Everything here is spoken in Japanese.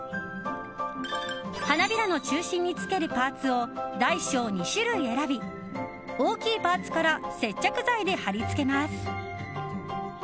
花びらの中心につけるパーツを大小２種類選び大きいパーツから接着剤で貼り付けます。